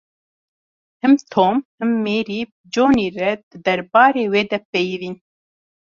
Him Tom him Mary bi Johnî re di derbarê wê de peyivîn.